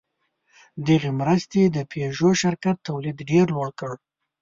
دغې مرستې د پيژو شرکت تولید ډېر لوړ کړ.